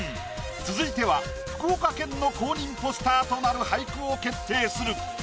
続いては福岡県の公認ポスターとなる俳句を決定する。